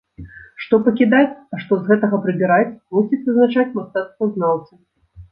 Што пакідаць, а што з гэтага прыбіраць, мусяць вызначаць мастацтвазнаўцы.